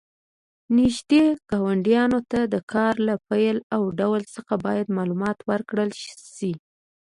نږدې ګاونډیانو ته د کار له پیل او ډول څخه باید معلومات ورکړل شي.